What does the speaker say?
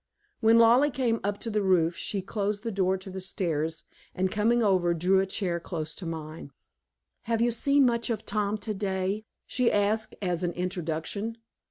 When Lollie came up to the roof, she closed the door to the stairs, and coming over, drew a chair close to mine. "Have you seen much of Tom today?" she asked, as an introduction.